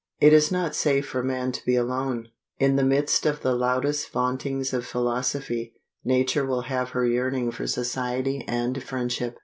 "It is not safe for man to be alone." In the midst of the loudest vauntings of philosophy, nature will have her yearning for society and friendship.